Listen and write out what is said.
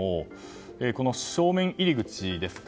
この正面入り口ですか